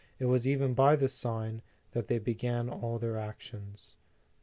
It was even by this sign that they began all their actions.